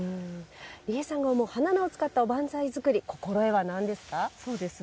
里恵さんが思う花菜を使ったおばんざい作り心得はなんですか？